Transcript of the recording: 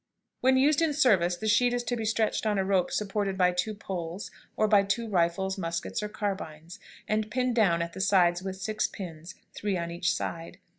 When used in service the sheet is to be stretched on a rope supported by two poles, or by two rifles, muskets, or carbines, and pinned down at the sides with six pins, three on each side.